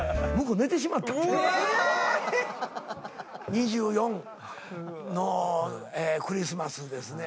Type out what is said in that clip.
２４のクリスマスですね。